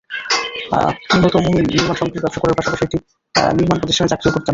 নিহত মোমিন নির্মাণসামগ্রীর ব্যবসা করার পাশাপাশি একটি নির্মাণ প্রতিষ্ঠানে চাকরিও করতেন।